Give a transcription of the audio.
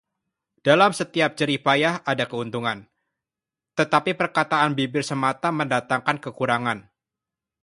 Dalam setiap jerih payah ada keuntungan, tetapi perkataan bibir semata mendatangkan kekurangan.